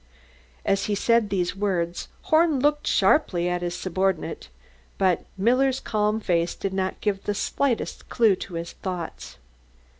As he said these words, Horn looked sharply at his subordinate; but Muller's calm face did not give the slightest clue to his thoughts.